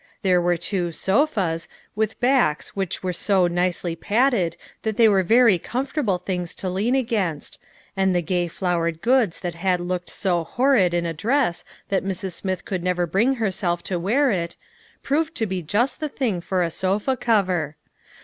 There were two "sofas" with backs which were so nicely padded that they were very comfortable things to lean against, and the gay flowered 179 180 LITTLE FISHERS ! AND THEIE NETS. goods that had looked "so horrid" in a dress that Mrs. Smith could never bring herself to wear it, proved to be just the thing for a sofa cover.